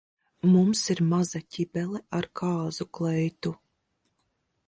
Mums ir maza ķibele ar kāzu kleitu.